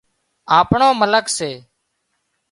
آپڻو مالڪ سي